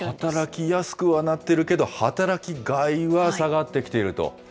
働きやすくはなっているけど、働きがいは下がってきていると。